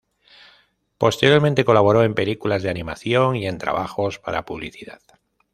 Posteriormente colaboró en películas de animación y en trabajos para publicidad.